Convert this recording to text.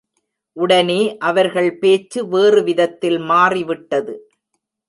உடனே அவர்கள் பேச்சு வேறு விதத்தில் மாறிவிட்டது.